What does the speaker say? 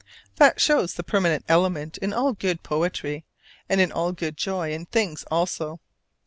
That shows the permanent element in all good poetry, and in all good joy in things also.